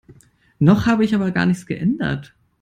Noch habe ich aber gar nichts geändert.